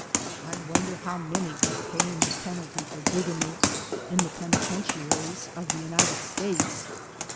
I wonder how many are paying the penalty for bigamy in the penitentiaries of the United States?